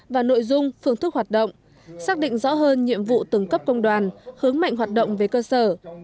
và nội dung phương thức hoạt động xác định rõ hơn nhiệm vụ từng cấp công đoàn hướng mạnh hoạt động về cơ sở